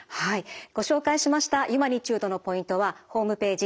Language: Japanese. ご紹介しましたユマニチュードのポイントはホームページ